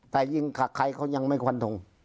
แต่ยิงใครเขายังไม่ฟันทง